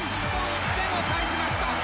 日本１点を返しました。